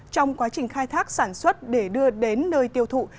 trong quá trình khai thác sản xuất để đưa đến nơi tiêu thụ